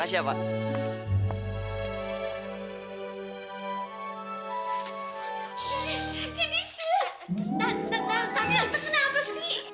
tante tante tante tante kenapa sih